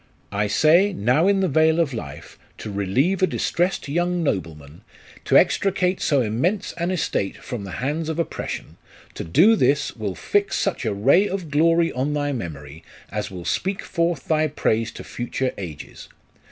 I say, now in the vale of life, to relieve a distressed young nobleman, 80 LIFE OF RICHARD NASH. to extricate so immense an estate from the hands of oppression ; to do this, will fix such a ray of glory on thy memory, as will speak forth thy praise to future ages.